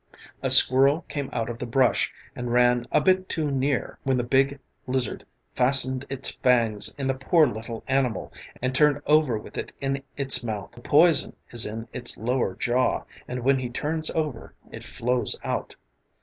A squirrel came out of the brush and ran a bit too near, when the big lizard fastened its fangs in the poor little animal and turned over with it in its mouth. The poison is in its lower jaw and when he turns over it flows out.